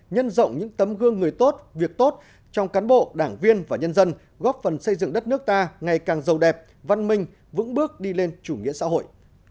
nhân rộng những tấm gương người tốt việc tốt trong cán bộ đảng viên và nhân dân góp phần xây dựng đất nước ta ngày càng giàu đẹp văn minh vững bước đi lên chủ nghĩa xã hội